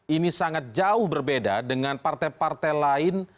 ini sangat jauh berbeda dengan partai partai lain